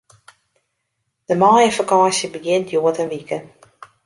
De maaiefakânsje begjint hjoed in wike.